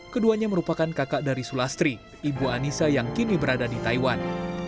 keduanya merupakan kakak dari sulastri ibu anissa yang kini berada di taiwan